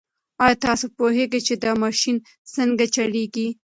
ایا تاسو پوهېږئ چې دا ماشین څنګه چلیږي؟